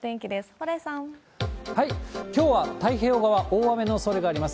きょうは太平洋側、大雨のおそれがあります。